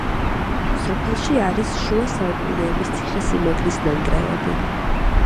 სოფელში არის შუა საუკუნეების ციხე-სიმაგრის ნანგრევები.